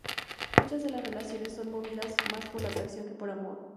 Muchas de las relaciones son movidas más por la atracción que por amor.